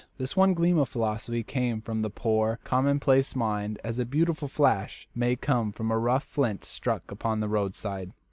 This one gleam of philosophy came from the poor, commonplace mind as a beautiful flash may come from a rough flint struck upon the roadside.